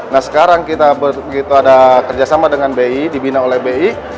nah sekarang kita begitu ada kerjasama dengan bi dibina oleh bi